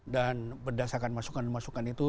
dan berdasarkan masukan masukan itu